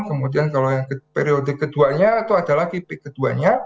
kemudian kalau yang periode keduanya itu adalah kipik keduanya